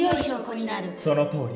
そのとおり。